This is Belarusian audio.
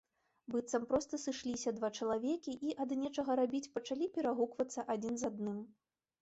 Быццам проста сышліся два чалавекі і, ад нечага рабіць, пачалі перагуквацца адзін з адным.